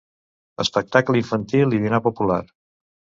Espectacle infantil i dinar popular.